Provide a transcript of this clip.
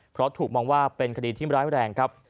เพราะถูกมองว่าเป็นคดีที่ร้ายแรงครับ